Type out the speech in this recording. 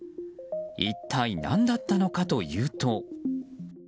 一体なんだったのかというと。